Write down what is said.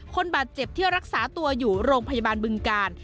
คนบาดเจ็บที่รักษาตัวอยู่โรงพยาบาลบึงกาล